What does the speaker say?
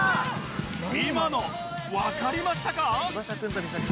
今のわかりましたか？